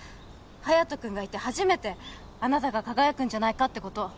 隼人君がいて初めてあなたが輝くんじゃないかってこと